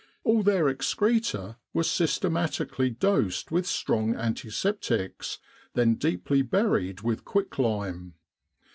All their excreta were systematically dosed with strong antiseptics, then deeply buried with quicklime.